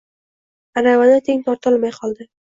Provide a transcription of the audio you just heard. Aravani teng tortolmay qoldi